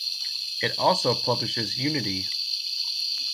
It also publishes Unity!